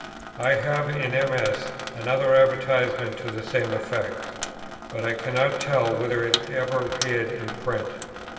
I have in MS. another advertisement to the same effect, but I cannot tell whether it ever appeared in print.